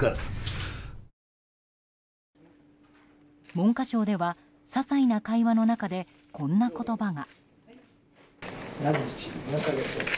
文科省では、些細な会話の中でこんな言葉が。